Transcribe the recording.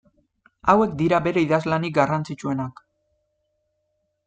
Hauek dira bere idazlanik garrantzitsuenak.